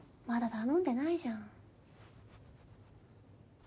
まだ頼んでないじゃん。